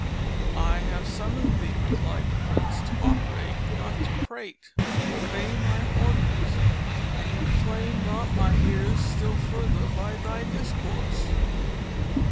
"I have summoned thee," replied the prince, "to operate and not to prate; obey my orders, and inflame not my ears still further by thy discourse."